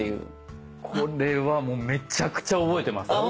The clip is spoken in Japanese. これはもうめちゃくちゃ覚えてます。